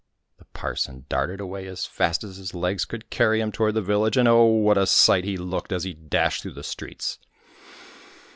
The parson darted away as fast as his legs could carry him toward the village, and oh ! what a sight he looked as he dashed through the streets